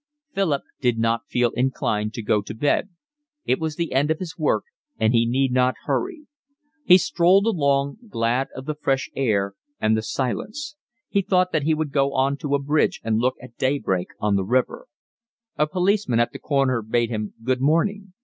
Philip did not feel inclined to go to bed. It was the end of his work and he need not hurry. He strolled along, glad of the fresh air and the silence; he thought that he would go on to the bridge and look at day break on the river. A policeman at the corner bade him good morning.